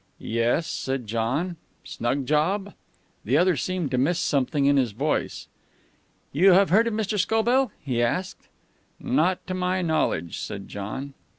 "Yes?" said John. "Snug job?" The other seemed to miss something in his voice. "You have heard of Mr. Scobell?" he asked. "Not to my knowledge," said John.